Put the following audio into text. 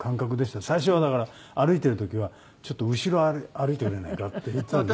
最初はだから歩いてる時は「ちょっと後ろ歩いてくれないか」って言ってたんですね。